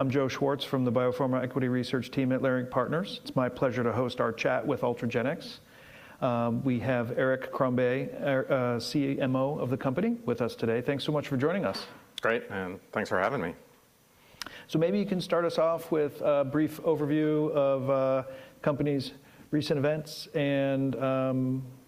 I'm Joe Schwartz from the BioPharma Equity Research team at Leerink Partners. It's my pleasure to host our chat with Ultragenyx. We have Eric Crombez, CMO of the company, with us today. Thanks so much for joining us. Great, thanks for having me. Maybe you can start us off with a brief overview of the company's recent events and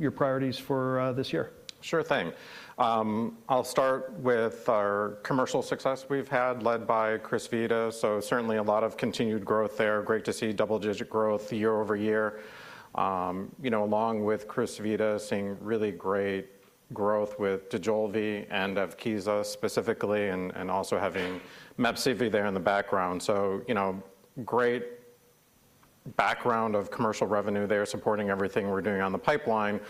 your priorities for this year. Sure thing. I'll start with our commercial success we've had led by Crysvita. Certainly a lot of continued growth there. Great to see double-digit growth year-over-year. You know, along with Crysvita, seeing really great growth with Dojolvi and Evkeeza specifically, and also having MEPSEVII there in the background. You know, great background of commercial revenue there supporting everything we're doing on the pipeline.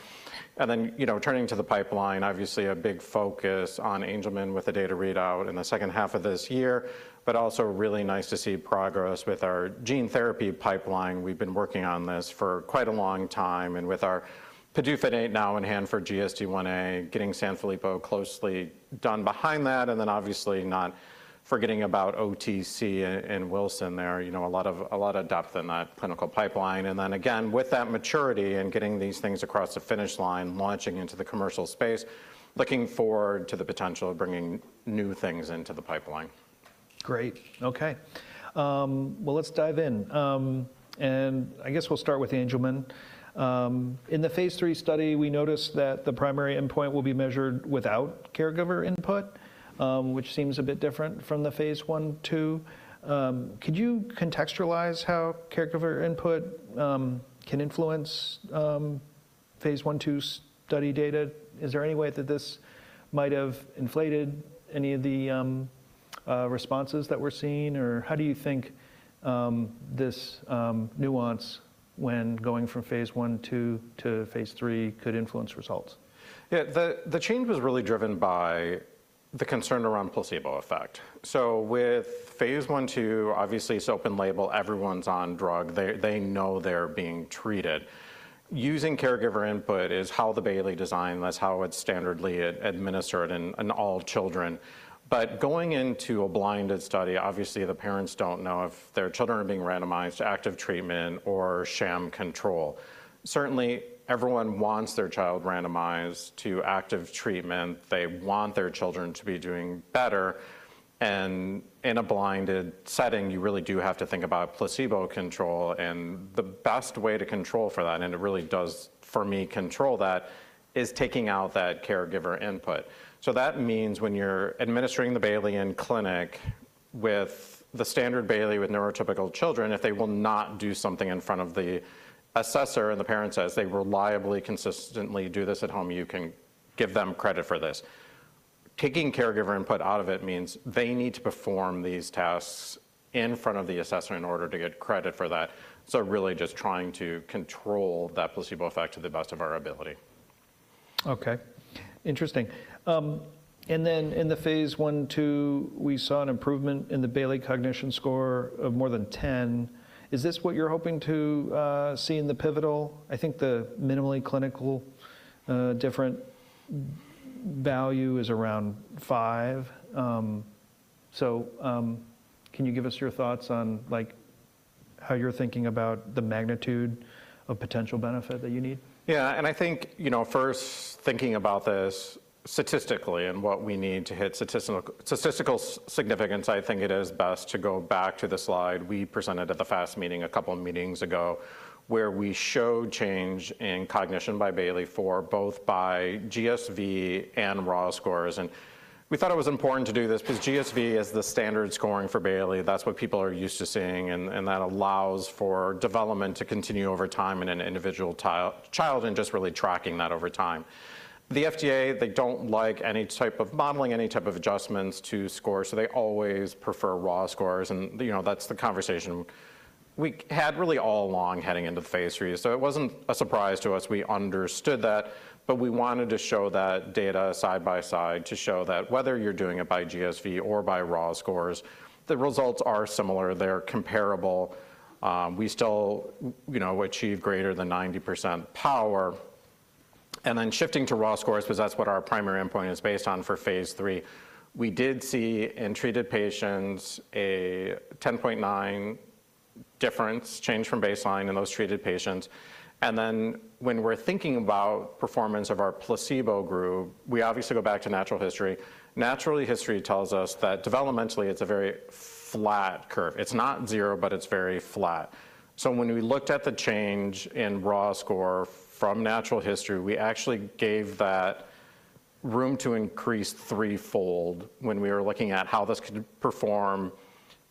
Then, you know, turning to the pipeline, obviously a big focus on Angelman with the data readout in the second half of this year, but also really nice to see progress with our gene therapy pipeline. We've been working on this for quite a long time, and with our PDUFA date now in hand for GSDIa, getting Sanfilippo closely done behind that, and then obviously not forgetting about OTC and Wilson there. You know, a lot of depth in that clinical pipeline. Then again, with that maturity and getting these things across the finish line, launching into the commercial space, looking forward to the potential of bringing new things into the pipeline. Great. Okay. Well, let's dive in. I guess we'll start with Angelman. In the Phase 3 study, we noticed that the primary endpoint will be measured without caregiver input, which seems a bit different from the Phase 1/2. Could you contextualize how caregiver input can influence Phase 1/2 study data? Is there any way that this might have inflated any of the responses that we're seeing? Or how do you think this nuance when going from Phase 1/2 to Phase 3 could influence results? Yeah. The change was really driven by the concern around placebo effect. With Phase 1/2, obviously it's open label. Everyone's on drug. They know they're being treated. Using caregiver input is how the Bayley design, that's how it's standardly administered in all children. Going into a blinded study, obviously the parents don't know if their children are being randomized to active treatment or sham control. Certainly, everyone wants their child randomized to active treatment. They want their children to be doing better. In a blinded setting, you really do have to think about placebo control, and the best way to control for that, and it really does, for me, control that, is taking out that caregiver input. That means when you're administering the Bayley in clinic with the standard Bayley with neurotypical children, if they will not do something in front of the assessor and the parent says they reliably, consistently do this at home, you can give them credit for this. Taking caregiver input out of it means they need to perform these tasks in front of the assessor in order to get credit for that. Really just trying to control that placebo effect to the best of our ability. Okay. Interesting. In the Phase 1/2, we saw an improvement in the Bayley Cognition Score of more than 10. Is this what you're hoping to see in the pivotal? I think the minimal clinically important difference value is around five. Can you give us your thoughts on, like, how you're thinking about the magnitude of potential benefit that you need? Yeah. I think, you know, first thinking about this statistically and what we need to hit statistical significance, I think it is best to go back to the slide we presented at the FAST meeting a couple meetings ago, where we showed change in cognition by Bayley-4, both by GSV and raw scores. We thought it was important to do this because GSV is the standard scoring for Bayley. That's what people are used to seeing, and that allows for development to continue over time in an individual child and just really tracking that over time. The FDA, they don't like any type of modeling, any type of adjustments to scores, so they always prefer raw scores and, you know, that's the conversation we had really all along heading into the Phase 3. It wasn't a surprise to us. We understood that, but we wanted to show that data side by side to show that whether you're doing it by GSV or by raw scores, the results are similar. They're comparable. We still, you know, achieve greater than 90% power. Shifting to raw scores, because that's what our primary endpoint is based on for Phase 3, we did see in treated patients a 10.9 difference change from baseline in those treated patients. When we're thinking about performance of our placebo group, we obviously go back to natural history. Natural history tells us that developmentally, it's a very flat curve. It's not zero, but it's very flat. When we looked at the change in raw score from natural history, we actually gave that room to increase threefold when we were looking at how this could perform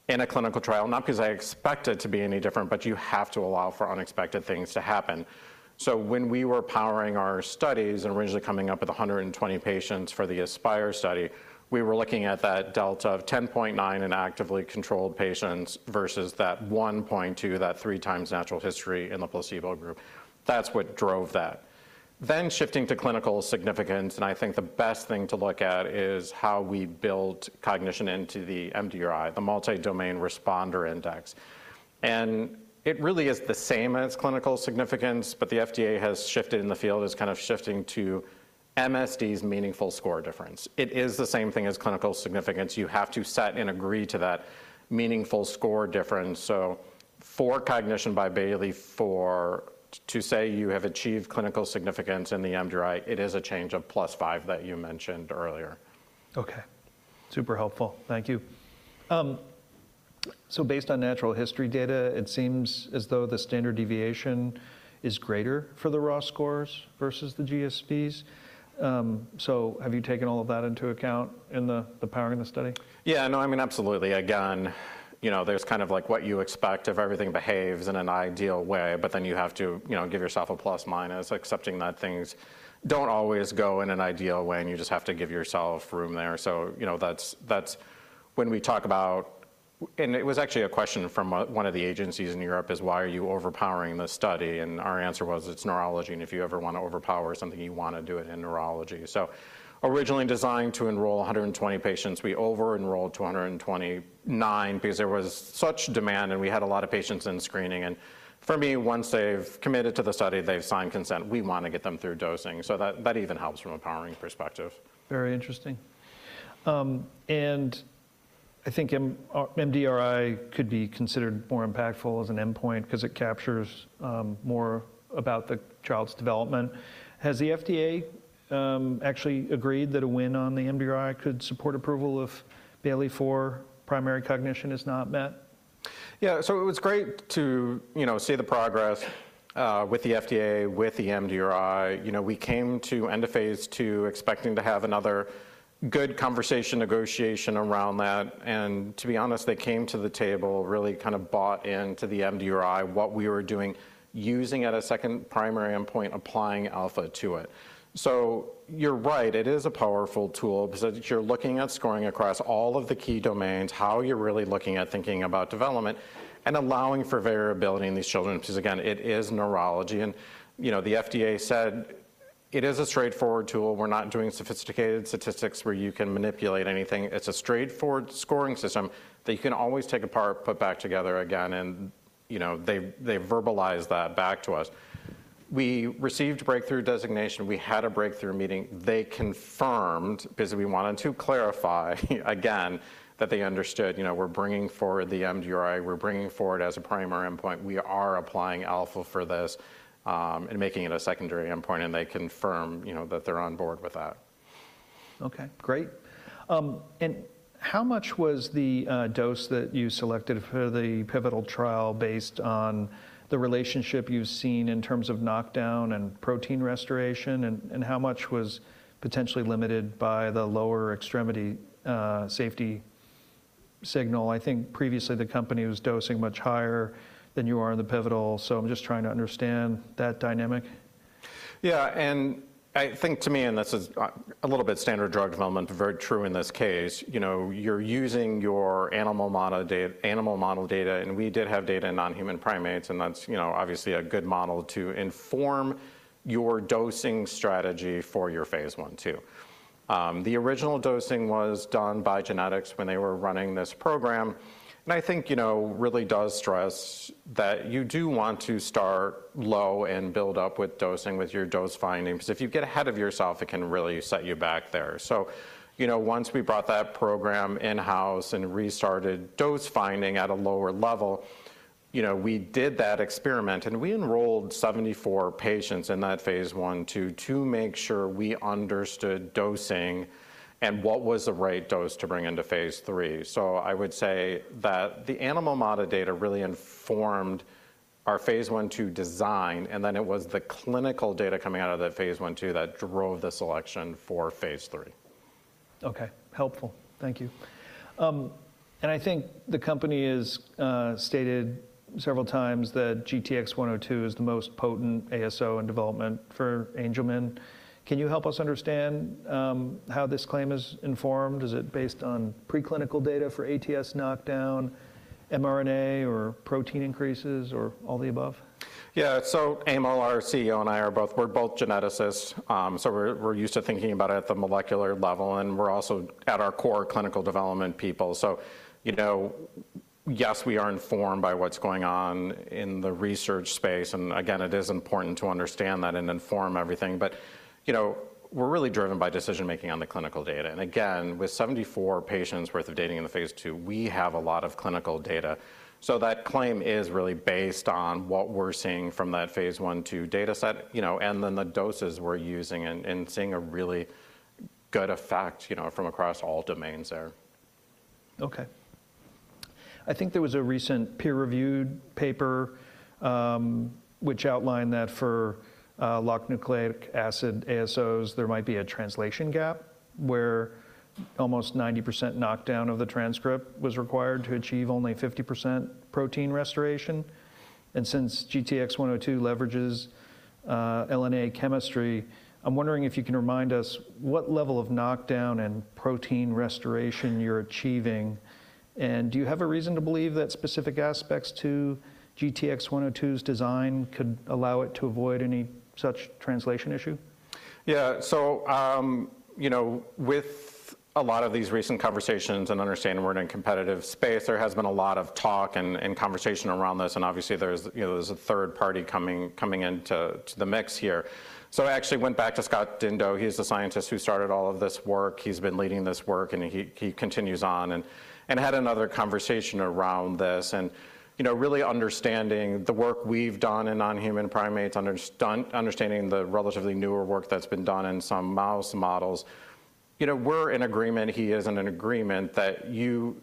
in a clinical trial. Not because I expect it to be any different, but you have to allow for unexpected things to happen. When we were powering our studies and originally coming up with 120 patients for the Aspire study, we were looking at that delta of 10.9 in actively controlled patients versus that 1.2, that 3x natural history in the placebo group. That's what drove that. Shifting to clinical significance, and I think the best thing to look at is how we build cognition into the MDRI, the Multi-Domain Responder Index. It really is the same as clinical significance, but the FDA has shifted and the field is kind of shifting to MSD's Meaningful Score Difference. It is the same thing as clinical significance. You have to set and agree to that Meaningful Score Difference. For cognition by Bayley, to say you have achieved clinical significance in the MDRI, it is a change of plus five that you mentioned earlier. Okay. Super helpful. Thank you. Based on natural history data, it seems as though the standard deviation is greater for the raw scores versus the GSVs. Have you taken all of that into account in the power in the study? Yeah. No, I mean, absolutely. Again, you know, there's kind of like what you expect if everything behaves in an ideal way, but then you have to, you know, give yourself a plus/minus accepting that things don't always go in an ideal way, and you just have to give yourself room there. You know, that's when we talk about. It was actually a question from one of the agencies in Europe, is why are you overpowering the study? Our answer was, it's neurology, and if you ever wanna overpower something, you wanna do it in neurology. Originally designed to enroll 120 patients, we over-enrolled to 129 because there was such demand, and we had a lot of patients in screening. For me, once they've committed to the study, they've signed consent, we wanna get them through dosing. That even helps from a powering perspective. Very interesting. I think MDRI could be considered more impactful as an endpoint 'cause it captures more about the child's development. Has the FDA actually agreed that a win on the MDRI could support approval if Bayley-4 primary cognition is not met? Yeah. It was great to, you know, see the progress with the FDA, with the MDRI. You know, we came to end of Phase 2 expecting to have another good conversation negotiation around that. To be honest, they came to the table really kind of bought into the MDRI, what we were doing, using at a second primary endpoint, applying alpha to it. You're right, it is a powerful tool because you're looking at scoring across all of the key domains, how you're really looking at thinking about development and allowing for variability in these children because, again, it is neurology. You know, the FDA said it is a straightforward tool. We're not doing sophisticated statistics where you can manipulate anything. It's a straightforward scoring system that you can always take apart, put back together again, and you know, they verbalize that back to us. We received breakthrough designation. We had a breakthrough meeting. They confirmed because we wanted to clarify again that they understood, you know, we're bringing forward the MDRI. We're bringing forward as a primary endpoint. We are applying alpha for this and making it a secondary endpoint, and they confirm, you know, that they're on board with that. Okay, great. How much was the dose that you selected for the pivotal trial based on the relationship you've seen in terms of knockdown and protein restoration and how much was potentially limited by the lower extremity safety signal? I think previously the company was dosing much higher than you are in the pivotal, so I'm just trying to understand that dynamic. Yeah. I think to me, and this is a little bit standard drug development, very true in this case, you know, you're using your animal model data, and we did have data in non-human primates, and that's, you know, obviously a good model to inform your dosing strategy for your Phase 1/2. The original dosing was done by GeneTx when they were running this program. I think, you know, really does stress that you do want to start low and build up with dosing with your dose finding because if you get ahead of yourself, it can really set you back there. You know, once we brought that program in-house and restarted dose finding at a lower level, you know, we did that experiment, and we enrolled 74 patients in that Phase 1/2, to make sure we understood dosing and what was the right dose to bring into Phase 3. I would say that the animal model data really informed our Phase 1/2 design, and then it was the clinical data coming out of that Phase 1/2 that drove the selection for Phase 3. Okay. Helpful. Thank you. I think the company has stated several times that GTX-102 is the most potent ASO in development for Angelman. Can you help us understand how this claim is informed? Is it based on preclinical data for ATS knockdown, mRNA or protein increases or all the above? Yeah. Emil Kakkis, our CEO, and I are both geneticists, so we're used to thinking about it at the molecular level, and we're also at our core clinical development people. You know, yes, we are informed by what's going on in the research space, and again, it is important to understand that and inform everything. You know, we're really driven by decision-making on the clinical data. Again, with 74 patients worth of data in the Phase 2, we have a lot of clinical data. That claim is really based on what we're seeing from that Phase 1/2 data set, you know, and then the doses we're using and seeing a really good effect, you know, from across all domains there. Okay. I think there was a recent peer-reviewed paper, which outlined that for locked nucleic acid ASOs, there might be a translation gap where almost 90% knockdown of the transcript was required to achieve only 50% protein restoration. Since GTX-102 leverages LNA chemistry, I'm wondering if you can remind us what level of knockdown and protein restoration you're achieving, and do you have a reason to believe that specific aspects to GTX-102's design could allow it to avoid any such translation issue? Yeah. You know, with a lot of these recent conversations and understanding we're in a competitive space, there has been a lot of talk and conversation around this, and obviously there's a third party coming into the mix here. I actually went back to Scott Dindot. He's the scientist who started all of this work. He's been leading this work, and he continues on, and had another conversation around this. You know, really understanding the work we've done in non-human primates, understanding the relatively newer work that's been done in some mouse models. You know, we're in agreement, he is in agreement that you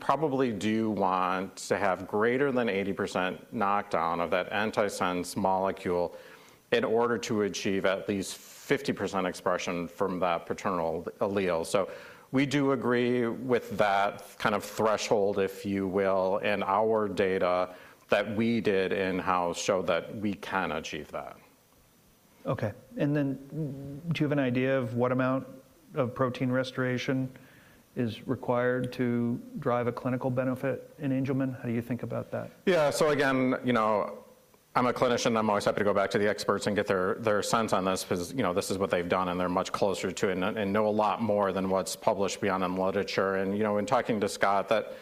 probably do want to have greater than 80% knockdown of that antisense molecule in order to achieve at least 50% expression from that paternal allele. We do agree with that kind of threshold, if you will, and our data that we did in-house show that we can achieve that. Okay. Do you have an idea of what amount of protein restoration is required to drive a clinical benefit in Angelman? How do you think about that? Yeah. Again, you know, I'm a clinician. I'm always happy to go back to the experts and get their sense on this because, you know, this is what they've done, and they're much closer to it and know a lot more than what's published beyond in literature. You know, in talking to Scott that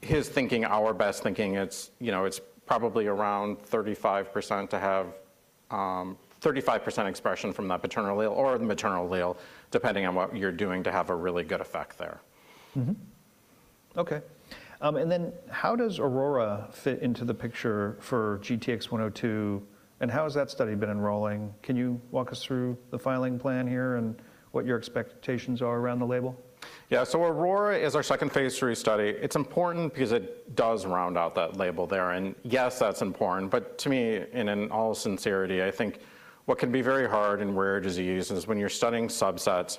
his thinking, our best thinking, it's, you know, it's probably around 35% to have 35% expression from that paternal allele or the maternal allele, depending on what you're doing to have a really good effect there. Okay. How does Aurora fit into the picture for GTX-102, and how has that study been enrolling? Can you walk us through the filing plan here and what your expectations are around the label? Yeah. Aurora is our second Phase 3 study. It's important because it does round out that label there. Yes, that's important, but to me, in all sincerity, I think what can be very hard in rare disease is when you're studying subsets,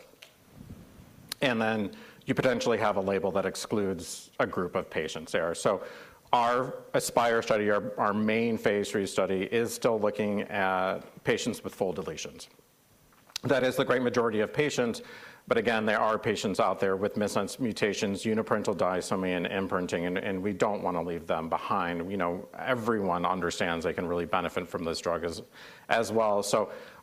and then you potentially have a label that excludes a group of patients there. Our Aspire study, our main Phase 3 study, is still looking at patients with full deletions. That is the great majority of patients. Again, there are patients out there with missense mutations, uniparental disomy, and imprinting, and we don't wanna leave them behind. You know, everyone understands they can really benefit from this drug as well.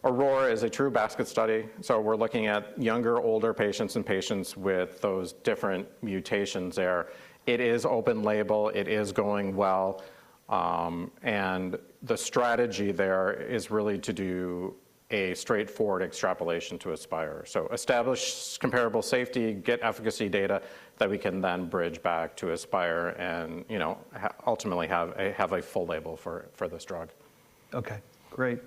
Aurora is a true basket study, so we're looking at younger, older patients and patients with those different mutations there. It is open label. It is going well, and the strategy there is really to do a straightforward extrapolation to Aspire. Establish comparable safety, get efficacy data that we can then bridge back to Aspire and, you know, ultimately have a full label for this drug. Okay, great.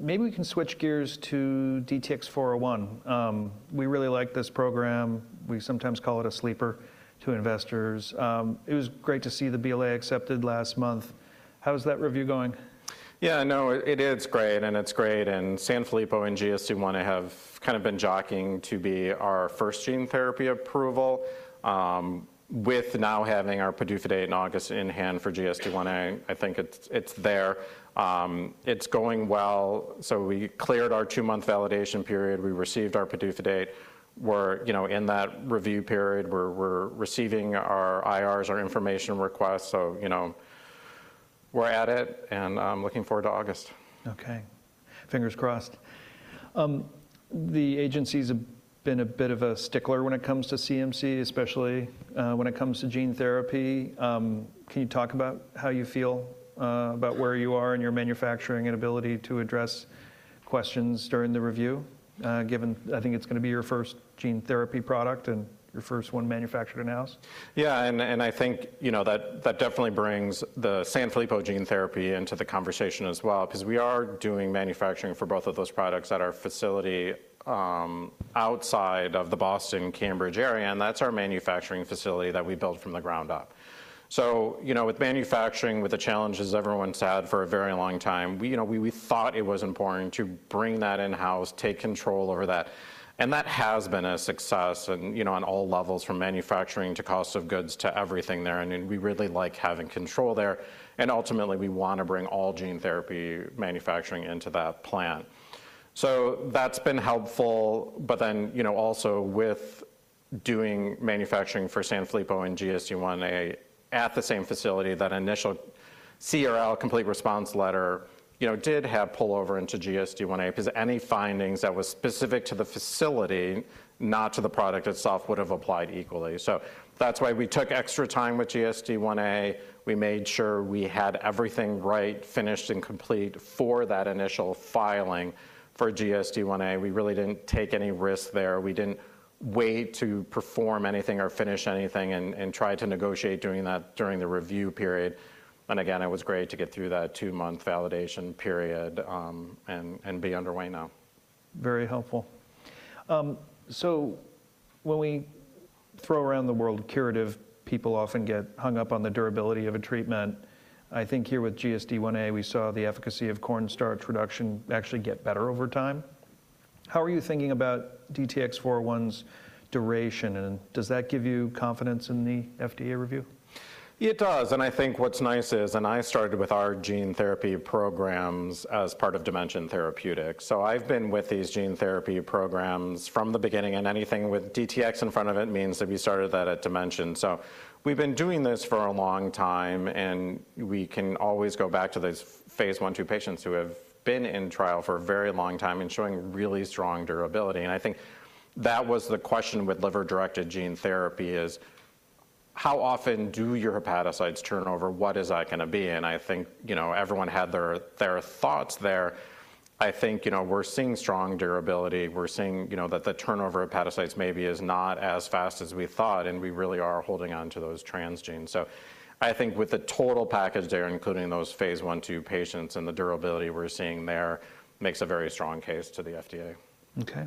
Maybe we can switch gears to DTX401. We really like this program. We sometimes call it a sleeper to investors. It was great to see the BLA accepted last month. How is that review going? Yeah, no, it is great, and it's great. Sanfilippo and GSDIa have kind of been jockeying to be our first gene therapy approval, with now having our PDUFA date in August in hand for GSDIa. I think it's there. It's going well. We cleared our two-month validation period. We received our PDUFA date. We're, you know, in that review period. We're receiving our IRs, our information requests, you know, we're at it, and I'm looking forward to August. Okay. Fingers crossed. The agencies have been a bit of a stickler when it comes to CMC, especially, when it comes to gene therapy. Can you talk about how you feel about where you are in your manufacturing and ability to address questions during the review, given I think it's gonna be your first gene therapy product and your first one manufactured in-house? Yeah, I think, you know, that definitely brings the Sanfilippo gene therapy into the conversation as well 'cause we are doing manufacturing for both of those products at our facility outside of the Boston-Cambridge area, and that's our manufacturing facility that we built from the ground up. You know, with manufacturing, with the challenges everyone's had for a very long time, we, you know, we thought it was important to bring that in-house, take control over that, and that has been a success and, you know, on all levels from manufacturing to cost of goods to everything there, and we really like having control there, and ultimately, we wanna bring all gene therapy manufacturing into that plant. That's been helpful. You know, also with doing manufacturing for Sanfilippo and GSDIA at the same facility, that initial CRL, complete response letter, you know, did have spillover into GSDIA 'cause any findings that was specific to the facility, not to the product itself, would have applied equally. That's why we took extra time with GSDIA. We made sure we had everything right, finished, and complete for that initial filing for GSDIA. We really didn't take any risk there. We didn't wait to perform anything or finish anything and try to negotiate doing that during the review period. Again, it was great to get through that two-month validation period, and be underway now. Very helpful. When we throw around the word curative, people often get hung up on the durability of a treatment. I think here with GSDIA, we saw the efficacy of cornstarch reduction actually get better over time. How are you thinking about DTX401's duration, and does that give you confidence in the FDA review? It does, and I think what's nice is, and I started with our gene therapy programs as part of Dimension Therapeutics. I've been with these gene therapy programs from the beginning, and anything with DTX in front of it means that we started that at Dimension. We've been doing this for a long time, and we can always go back to those Phase 1/2 patients who have been in trial for a very long time and showing really strong durability. I think that was the question with liver-directed gene therapy is how often do your hepatocytes turn over? What is that gonna be? I think, you know, everyone had their thoughts there. I think, you know, we're seeing strong durability. We're seeing, you know, that the turnover of hepatocytes maybe is not as fast as we thought, and we really are holding onto those transgenes. I think with the total package there, including those Phase 1/2 patients and the durability we're seeing there makes a very strong case to the FDA. Okay.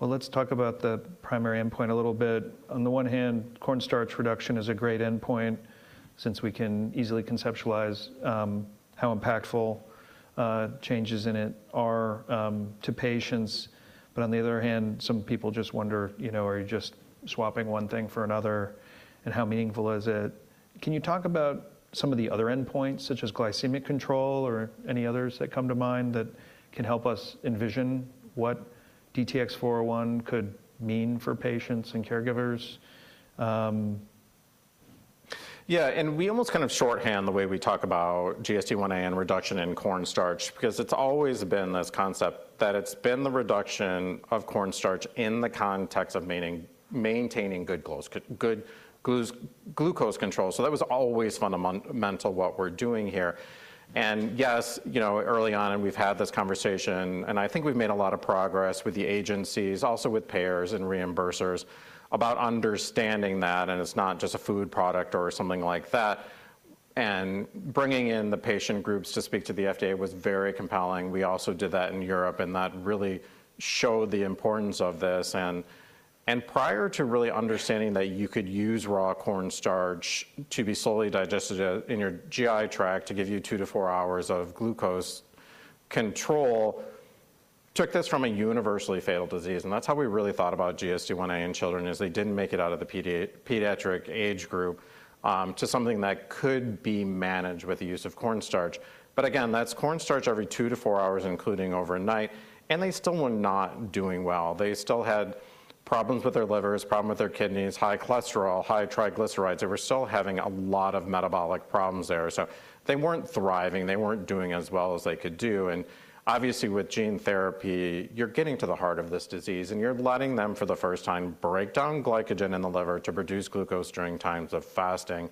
Well, let's talk about the primary endpoint a little bit. On the one hand, cornstarch reduction is a great endpoint since we can easily conceptualize how impactful changes in it are to patients. On the other hand, some people just wonder, you know, are you just swapping one thing for another, and how meaningful is it? Can you talk about some of the other endpoints, such as glycemic control or any others that come to mind that can help us envision what DTX401 could mean for patients and caregivers? Yeah. We almost kind of shorthand the way we talk about GSDIa and reduction in cornstarch because it's always been this concept that it's been the reduction of cornstarch in the context of maintaining good glucose control. So that was always fundamental what we're doing here, and yes, you know, early on, and we've had this conversation, and I think we've made a lot of progress with the agencies, also with payers and reimbursers about understanding that, and it's not just a food product or something like that. Bringing in the patient groups to speak to the FDA was very compelling. We also did that in Europe, and that really showed the importance of this. Prior to really understanding that you could use raw cornstarch to be slowly digested in your GI tract to give you two to four hours of glucose control took this from a universally fatal disease, that's how we really thought about GSDIa in children is they didn't make it out of the pediatric age group to something that could be managed with the use of cornstarch. Again, that's cornstarch every two to four hours, including overnight, and they still were not doing well. They still had problems with their livers, problem with their kidneys, high cholesterol, high triglycerides. They were still having a lot of metabolic problems there. They weren't thriving. They weren't doing as well as they could do. Obviously, with gene therapy, you're getting to the heart of this disease, and you're letting them, for the first time, break down glycogen in the liver to produce glucose during times of fasting.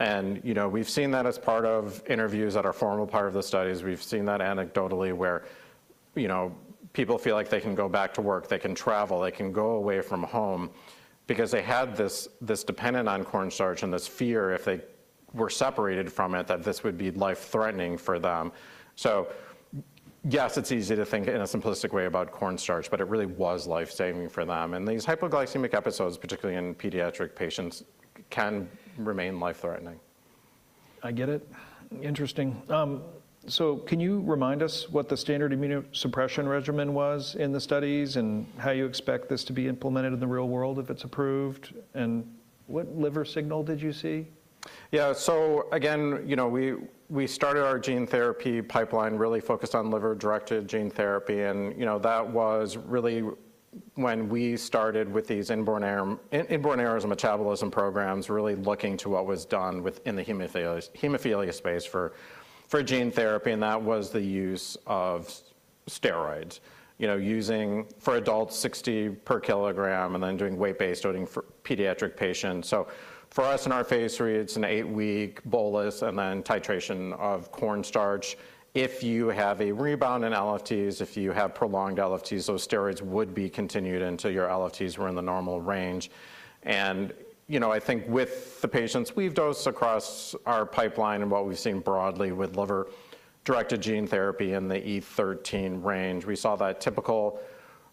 You know, we've seen that as part of interviews that are formal part of the studies. We've seen that anecdotally where, you know, people feel like they can go back to work, they can travel, they can go away from home because they had this dependence on cornstarch and this fear if they were separated from it that this would be life-threatening for them. Yes, it's easy to think in a simplistic way about cornstarch, but it really was life-saving for them. These hypoglycemic episodes, particularly in pediatric patients, can remain life-threatening. I get it. Interesting. Can you remind us what the standard immunosuppression regimen was in the studies and how you expect this to be implemented in the real world if it's approved, and what liver signal did you see? Yeah. Again, you know, we started our gene therapy pipeline really focused on liver-directed gene therapy and that was really when we started with these inborn errors of metabolism programs really looking to what was done with in the hemophilia space for gene therapy, and that was the use of steroids. Using, for adults, 60 per kilogram and then doing weight-based dosing for pediatric patients. For us in our Phase 3, it's an eight-week bolus and then titration of cornstarch. If you have a rebound in LFTs, if you have prolonged LFTs, those steroids would be continued until your LFTs were in the normal range. You know, I think with the patients we've dosed across our pipeline and what we've seen broadly with liver-directed gene therapy in the 1E13 range, we saw that typical,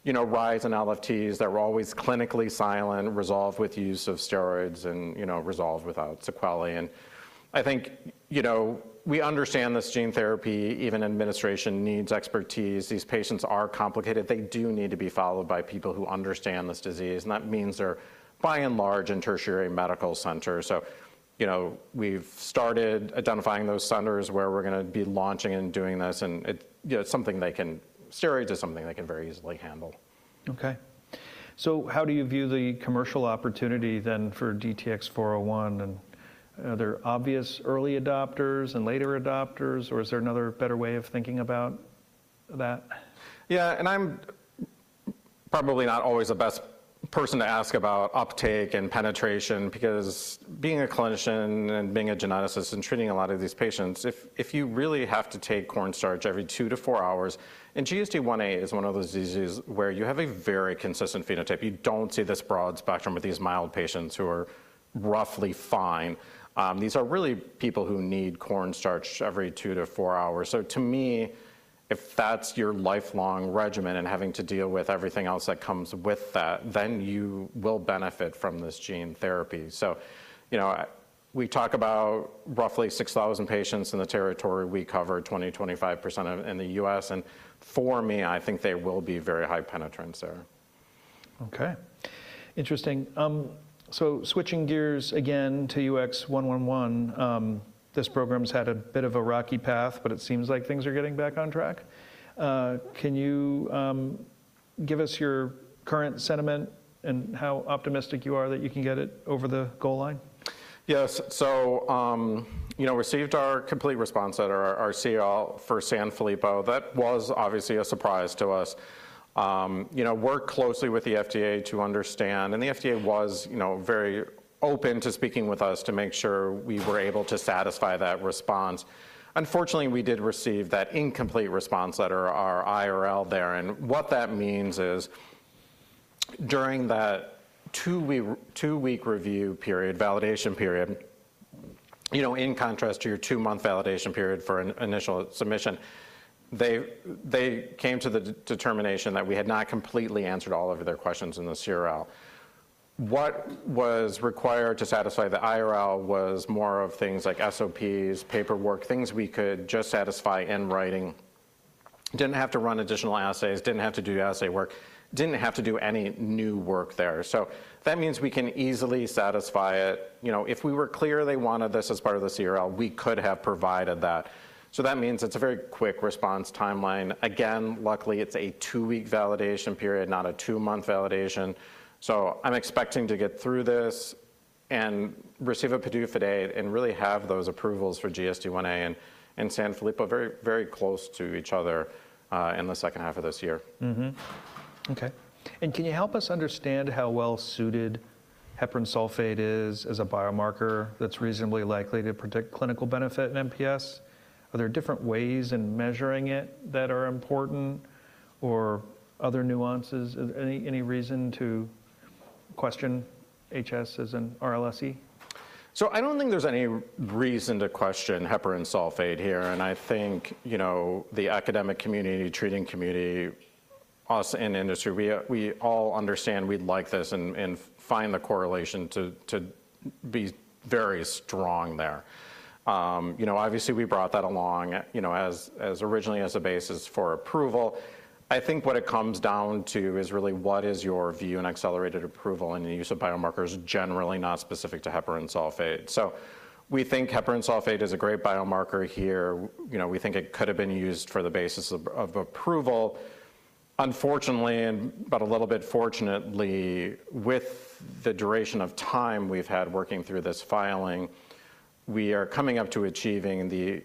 you know, rise in LFTs that were always clinically silent, resolved with use of steroids and, you know, resolved without sequelae. I think, you know, we understand this gene therapy, even administration needs expertise. These patients are complicated. They do need to be followed by people who understand this disease, and that means they're by and large in tertiary medical centers. You know, we've started identifying those centers where we're gonna be launching and doing this, and it. Yeah, it's something, steroids is something they can very easily handle. Okay. How do you view the commercial opportunity then for DTX401, and are there obvious early adopters and later adopters, or is there another better way of thinking about that? Yeah. I'm probably not always the best person to ask about uptake and penetration because being a clinician and being a geneticist and treating a lot of these patients, if you really have to take cornstarch every two to four hours. GSDIa is one of those diseases where you have a very consistent phenotype. You don't see this broad spectrum with these mild patients who are roughly fine. These are really people who need cornstarch every two to four hours. To me, if that's your lifelong regimen and having to deal with everything else that comes with that, then you will benefit from this gene therapy. You know, we talk about roughly 6,000 patients in the territory we cover, 20%-25% of them in the US, and for me, I think there will be very high penetration there. Okay. Interesting. Switching gears again to UX111, this program's had a bit of a rocky path, but it seems like things are getting back on track. Can you give us your current sentiment and how optimistic you are that you can get it over the goal line? Yes. You know, received our Complete Response Letter, CRL for Sanfilippo. That was obviously a surprise to us. You know, worked closely with the FDA to understand, and the FDA was, you know, very open to speaking with us to make sure we were able to satisfy that response. Unfortunately, we did receive that Incomplete Response Letter, our IRL there, and what that means is during that two-week review period, validation period, you know, in contrast to your two-month validation period for an initial submission, they came to the determination that we had not completely answered all of their questions in the CRL. What was required to satisfy the IRL was more of things like SOPs, paperwork, things we could just satisfy in writing. Didn't have to run additional assays, didn't have to do assay work, didn't have to do any new work there. That means we can easily satisfy it. You know, if we were clear they wanted this as part of the CRL, we could have provided that. That means it's a very quick response timeline. Again, luckily, it's a two-week validation period, not a two-month validation. I'm expecting to get through this and receive a PDUFA date and really have those approvals for GSDIa and Sanfilippo very, very close to each other in the second half of this year. Can you help us understand how well suited heparan sulfate is as a biomarker that's reasonably likely to predict clinical benefit in MPS? Are there different ways in measuring it that are important or other nuances? Any reason to question HS as an LS? I don't think there's any reason to question heparan sulfate here, and I think, you know, the academic community, treating community, us in industry, we all understand we'd like this and find the correlation to be very strong there. You know, obviously we brought that along, you know, as originally as a basis for approval. I think what it comes down to is really what is your view on accelerated approval and the use of biomarkers generally not specific to heparan sulfate. We think heparan sulfate is a great biomarker here. You know, we think it could have been used for the basis of approval. Unfortunately, but a little bit fortunately, with the duration of time we've had working through this filing, we are coming up to achieving the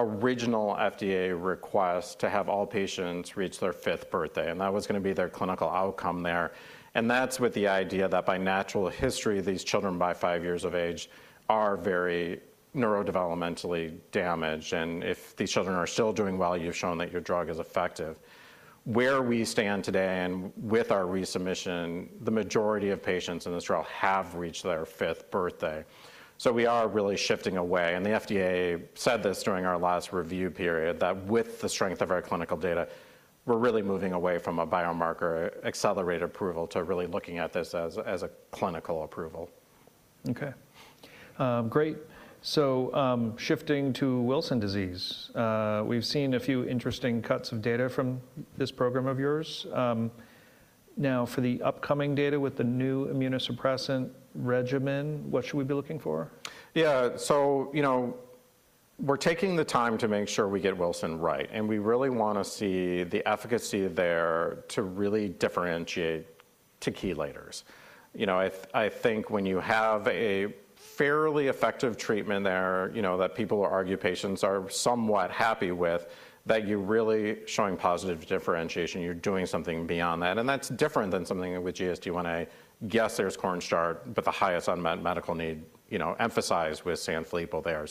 original FDA request to have all patients reach their fifth birthday, and that was gonna be their clinical outcome there. That's with the idea that by natural history, these children by five years of age are very neurodevelopmentally damaged, and if these children are still doing well, you've shown that your drug is effective. Where we stand today and with our resubmission, the majority of patients in this trial have reached their fifth birthday. We are really shifting away. The FDA said this during our last review period, that with the strength of our clinical data, we're really moving away from a biomarker accelerated approval to really looking at this as a clinical approval. Okay. Great. Shifting to Wilson disease, we've seen a few interesting cuts of data from this program of yours. Now, for the upcoming data with the new immunosuppressant regimen, what should we be looking for? Yeah. You know, we're taking the time to make sure we get Wilson right, and we really wanna see the efficacy there to really differentiate to chelators. You know, I think when you have a fairly effective treatment there, you know, that people argue patients are somewhat happy with, that you're really showing positive differentiation, you're doing something beyond that, and that's different than something with GSD1A. Yes, there's cornstarch, but the highest unmet medical need, you know, emphasized with Sanfilippo there.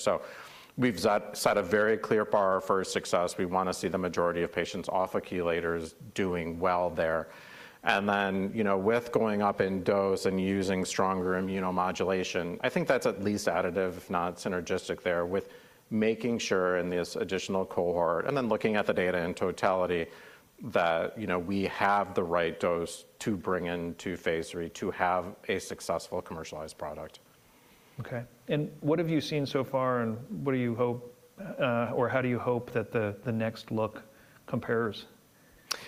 We've set a very clear bar for success. We wanna see the majority of patients off chelators doing well there. You know, with going up in dose and using stronger immunomodulation, I think that's at least additive, if not synergistic there with making sure in this additional cohort and then looking at the data in totality that, you know, we have the right dose to bring into Phase 3 to have a successful commercialized product. Okay. What have you seen so far, and what do you hope, or how do you hope that the next look compares?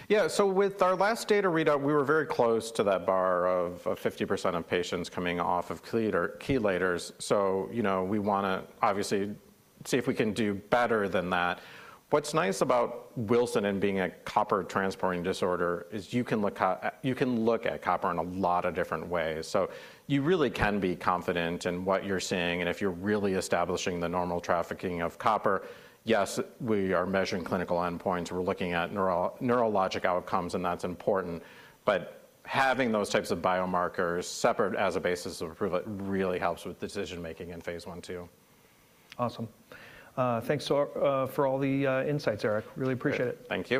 Yeah. With our last data readout, we were very close to that bar of 50% of patients coming off of chelators. You know, we wanna obviously see if we can do better than that. What's nice about Wilson and being a copper transporting disorder is you can look you can look at copper in a lot of different ways. You really can be confident in what you're seeing, and if you're really establishing the normal trafficking of copper, yes, we are measuring clinical endpoints, we're looking at neurologic outcomes, and that's important. Having those types of biomarkers separate as a basis of approval really helps with decision-making in Phase 1/2. Awesome. Thanks so for all the insights, Eric. Really appreciate it. Thank you.